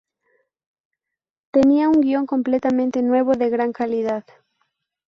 Tenía un guion completamente nuevo, de gran calidad.